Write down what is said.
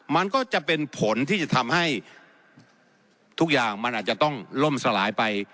มันก็จะเป็นผลที่จะทำให้ทุกอย่างมันอาจจะต้องล่มสลายไป